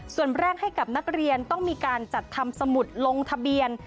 ส่วนแรกให้กับนักเรียนต้องมีการจัดทำสมุดลงทะเบียน